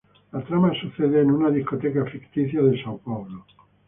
La trama se pasa en una discoteca ficticia de São Paulo.